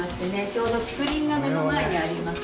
ちょうど竹林が目の前にあります。